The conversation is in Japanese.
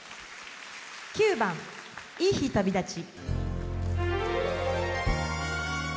９番「いい日旅立ち」。